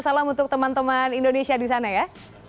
salam untuk teman teman indonesia di sana ya